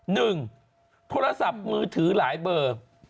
โทรศัพท์มือถือหลายเบอร์